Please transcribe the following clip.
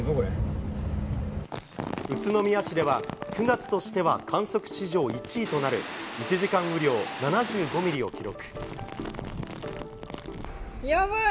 宇都宮市では９月としては観測史上１位となる１時間雨量を７５ミリを記録。